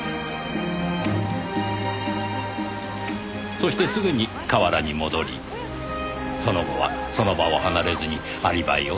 そしてすぐに河原に戻りその後はその場を離れずにアリバイを作った。